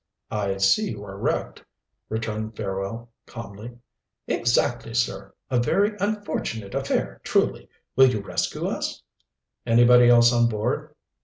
"I see you are wrecked," returned Fairwell calmly. "Exactly, sir a very unfortunate affair truly. Will you rescue us?" "Anybody else on board?"